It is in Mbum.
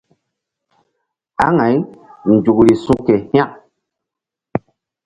Aŋay nzukri su̧ ke hȩk.